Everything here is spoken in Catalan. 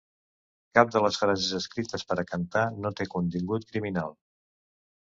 Cap de les frases escrites per a cantar no té contingut criminal.